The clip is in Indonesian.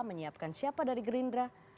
menyiapkan siapa dari gerindra